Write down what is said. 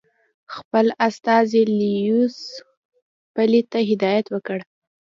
خپل استازي لیویس پیلي ته هدایت ورکړ.